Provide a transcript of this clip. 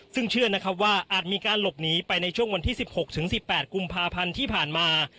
ซึ่งเชื่อนะครับว่าอาจมีการหลบหนีไปในช่วงวันที่๑๖๑๘กุมภาพันธ์ที่ผ่านมา